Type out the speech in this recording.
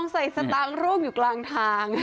ใส่สตางค์ร่วงอยู่กลางทาง